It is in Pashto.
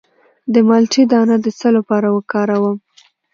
د مالټې دانه د څه لپاره وکاروم؟